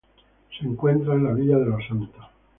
Se encuentra en la Villa de Los Santos.